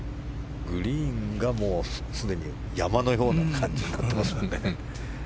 グリーンがもうすでに山のような感じになってますね。